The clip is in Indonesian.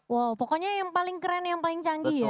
wow pokoknya yang paling keren yang paling canggih ya